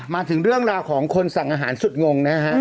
มาถึงเรื่องราวของคนสั่งอาหารสุดงงนะฮะ